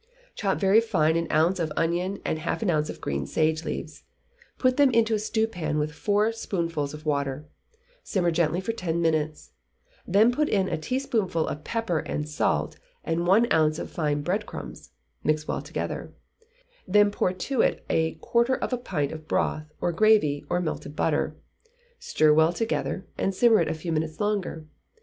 Chop very fine an ounce of onion and half an ounce of green sage leaves, put them into a stewpan with four spoonfuls of water, simmer gently for ten minutes, then put in a teaspoonful of pepper and salt, and one ounce of fine bread crumbs; mix well together; then pour to it a quarter of a pint of broth, or gravy, or melted butter; stir well together, and simmer it a few minutes longer.